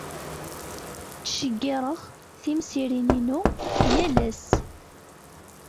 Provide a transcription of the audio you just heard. Ttceggireɣ timsirin-inu yal ass.